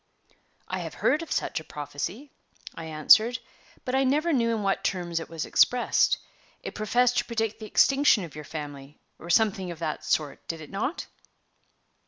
"I have heard of such a prophecy," I answered, "but I never knew in what terms it was expressed. It professed to predict the extinction of your family, or something of that sort, did it not?"